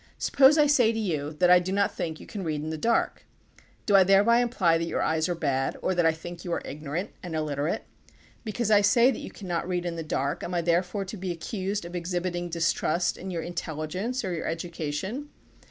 Suppose I say to you that I do not think that you can read in the dark. Do I thereby imply that your eyes 12 THE PUBLIC OPINION BILL are bad or that I think that you are ignorant and illiterate ? Because I say that you cannot read in the dark am I therefore to be accused of exhibiting dis trust in your intelligence or your education?